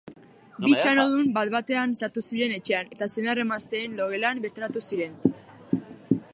Bi txanodun bat-batean sartu ziren etxean eta senar-emazteen logelan bertaratu ziren.